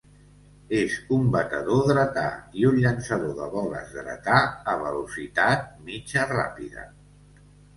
És un batedor dretà i un llançador de boles dretà a velocitat mitja-ràpida.